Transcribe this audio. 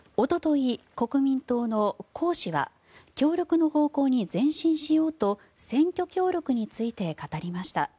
おととい、国民党のコウ氏は協力の方向に前進しようと選挙協力について語りました。